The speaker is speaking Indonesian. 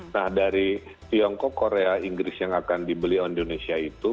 nah dari tiongkok korea inggris yang akan dibeli indonesia itu